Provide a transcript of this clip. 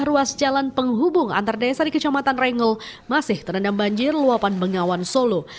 ruas jalan penghubung antar desa di kecamatan rengel masih terendam banjir luapan bengawan solo